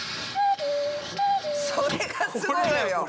それがすごいのよ！